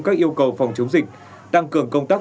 các yêu cầu phòng chống dịch tăng cường công tác